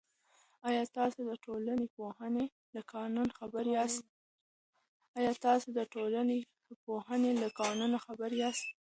آیا تاسې د ټولنپوهنې له قوانینو خبر یاست؟